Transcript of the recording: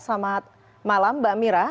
selamat malam mbak mirah